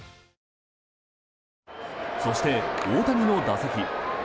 そして、大谷の打席。